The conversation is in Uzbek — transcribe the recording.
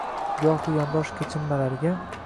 gohi yondosh kechinmalarga